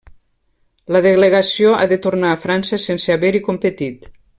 La delegació ha de tornar a França sense haver-hi competit.